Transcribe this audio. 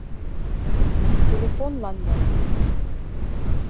— Телефонлан мо?